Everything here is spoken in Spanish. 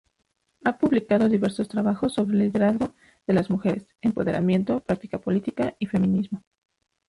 Ha publicado diversos trabajos sobre liderazgo de las mujeres, empoderamiento, práctica política y feminismo.